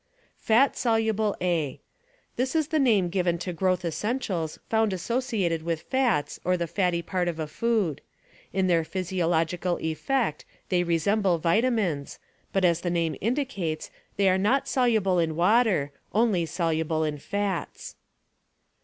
"Fat Soluble A" — This is the name given to growth essentials found associated with fats or the fatty part of a food. In their physiolog cal effect they resemble vitamins, but as the name indicates they are not soluble in water, only soluble in fats.